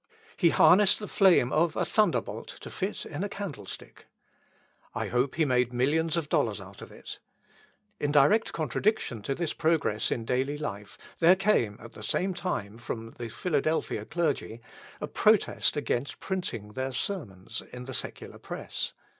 He harnessed the flame of a thunderbolt to fit in a candlestick. I hope he made millions of dollars out of it. In direct contradiction to this progress in daily life there came, at the same time, from the Philadelphia clergy a protest against printing their sermons in the secular press.